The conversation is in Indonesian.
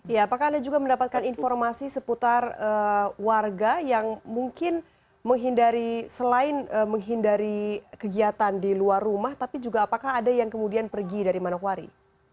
ya apakah anda juga mendapatkan informasi seputar warga yang mungkin menghindari selain menghindari kegiatan di luar rumah tapi juga apakah ada yang kemudian pergi dari manokwari